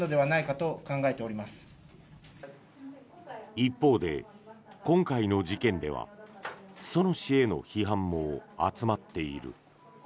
一方で今回の事件では裾野市への批判も集まっている。